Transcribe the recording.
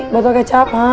bantu aku ke channel ya